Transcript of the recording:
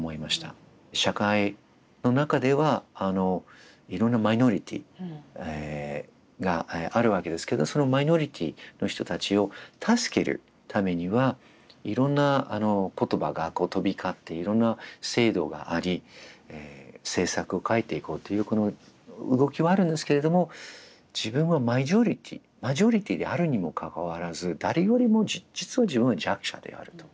社会の中ではいろんなマイノリティーがあるわけですけどそのマイノリティーの人たちを助けるためにはいろんな言葉が飛び交っていろんな制度があり政策を変えていこうというこの動きはあるんですけれども自分はマジョリティーマジョリティーであるにもかかわらず誰よりも実は自分は弱者であると。